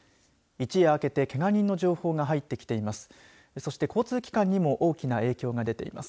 一夜明けて、けが人の情報が入ってきています。